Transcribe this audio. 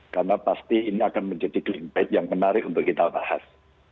karena pasti ini akan menjadi kelimpah yang menarik untuk kita bahas